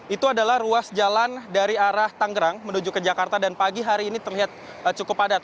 itu adalah ruas jalan dari arah tanggerang menuju ke jakarta dan pagi hari ini terlihat cukup padat